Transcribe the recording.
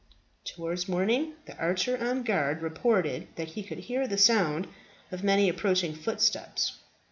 Towards morning the archer on guard reported that he could hear the sound of many approaching footsteps.